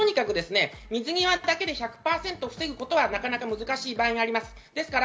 水際だけで１００％防ぐことはなかなか難しい場合もあります。